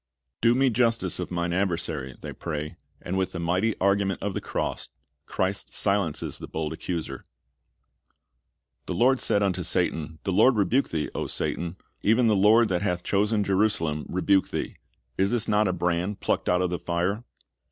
"Do nie justice of mine adversary," they pray; and with the niighty argument of the cross, Christ silences the bold accuser. "The Lord said unto Satan, The Lord rebuke thee, O Satan, e\"en the Lord that hath chosen Jerusalem rebuke thee: is not this a brand plucked out of the fire?"